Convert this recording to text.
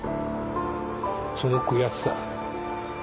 その悔しさ。